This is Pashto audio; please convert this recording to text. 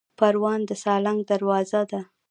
پروان د سالنګ دروازه ده